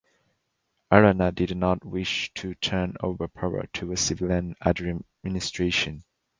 Arana did not wish to turn over power to a civilian administration.